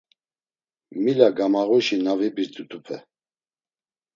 Mila gamağuşi na vibirt̆itupe!